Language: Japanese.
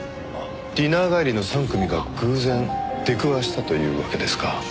ディナー帰りの３組が偶然出くわしたというわけですか。